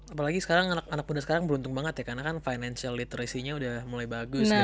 apalagi sekarang anak muda sekarang beruntung banget ya karena kan financial literasinya udah mulai bagus